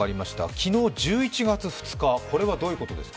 昨日、１１月２日、これはどういうことですか？